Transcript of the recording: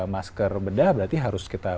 masker bedah berarti harus kita